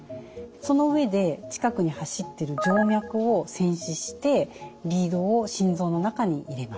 その上で近くに走ってる静脈をせん刺してリードを心臓の中に入れます。